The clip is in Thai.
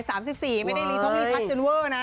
ไม่ได้ลีท้องอีพัชเจนเวอร์นะ